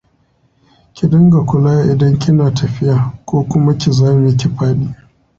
Ki dinga kula idan kina tafiya, ko kuma ki zame ki faɗi.